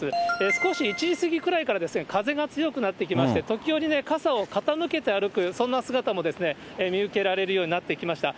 少し１時過ぎぐらいから風が強くなってきまして、時折、傘を傾けて歩く、そんな姿も見受けられるようになってきました。